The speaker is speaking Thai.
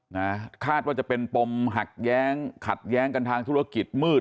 นะคาดว่าจะเป็นปมหักแย้งขัดแย้งกันทางธุรกิจมืด